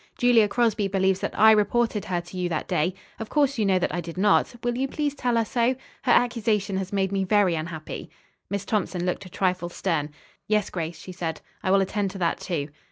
Julia Crosby believes that I reported her to you that day. Of course you know that I did not. Will you please tell her so? Her accusation has made me very unhappy." Miss Thompson looked a trifle stern. "Yes, Grace," she said, "I will attend to that, too."